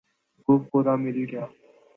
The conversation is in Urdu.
وہ فورا مل گیا۔